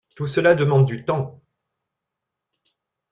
Tout cela demande du temps.